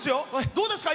どうですか？